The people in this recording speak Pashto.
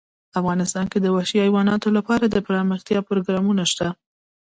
افغانستان کې د وحشي حیواناتو لپاره دپرمختیا پروګرامونه شته.